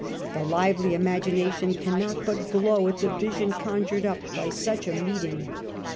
The lively imagination cannot but glow at the vision conjured up by such a meeting.